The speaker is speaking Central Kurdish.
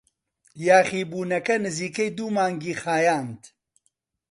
یاخیبوونەکە نزیکەی دوو مانگی خایاند.